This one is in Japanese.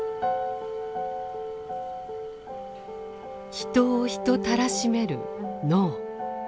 人を人たらしめる脳。